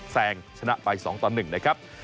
แซงชนะไป๒ต่อ๑นะครับ